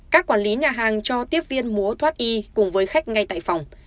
các quản lý nhà hàng cho tiếp viên múa thoát y cùng với khách ngay tại phòng